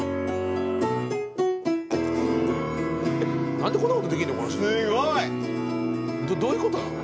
何でこんなことできるの⁉すごい！どういうことなの？